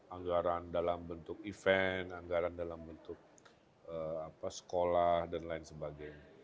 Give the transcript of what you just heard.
anggaran dalam bentuk event anggaran dalam bentuk sekolah dan lain sebagainya